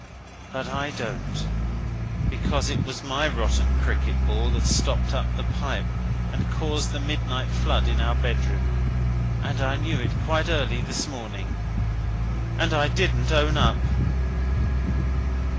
But I don't, because it was my rotten cricket ball that stopped up the pipe and caused the midnight flood in our bedroom. And I knew it quite early this morning. And I didn't own up.